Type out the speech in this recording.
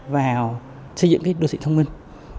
vào xây dựng cái đồ thị thông minh